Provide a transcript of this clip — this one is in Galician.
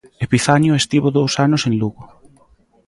Epifanio estivo dous anos en Lugo.